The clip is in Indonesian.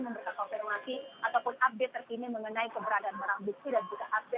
memberikan konfirmasi ataupun update terkini mengenai keberadaan barang bukti dan juga update